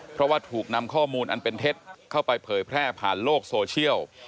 เพราะว่าถูกนำข้อมูลอันเป็นเท็จเข้าไปเผยแพร่ผ่านโลกโซเชียล